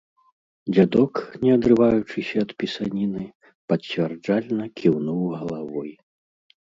Дзядок, не адрываючыся ад пісаніны, пацвярджальна кіўнуў галавой.